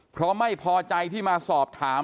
เพราะไม่พอใจที่มาสอบถาม